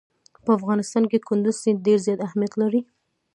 په افغانستان کې کندز سیند ډېر زیات اهمیت لري.